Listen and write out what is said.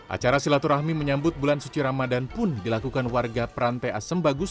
acara silaturahmi menyambut bulan suci ramadhan pun dilakukan warga perantai asembagus